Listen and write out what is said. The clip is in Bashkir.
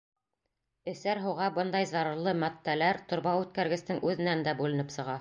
Эсәр һыуға бындай зарарлы матдәләр торба үткәргестең үҙенән дә бүленеп сыға.